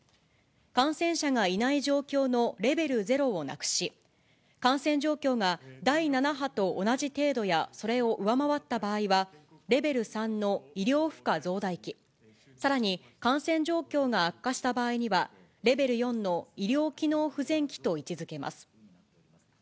感染者がいない状況のレベル０をなくし、感染状況が第７波と同じ程度やそれを上回った場合は、レベル３の医療負荷増大期、さらに感染状況が悪化した場合には、レベル４の医療機能不全期と位置づけます。